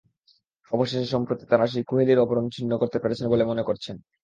অবশেষে সম্প্রতি তাঁরা সেই কুহেলির আবরণ ছিন্ন করতে পেরেছেন বলে মনে করছেন।